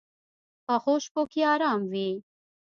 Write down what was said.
پخو شپو کې آرام وي